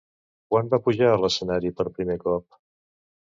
Quan va pujar a l'escenari per primer cop?